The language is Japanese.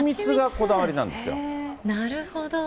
なるほど。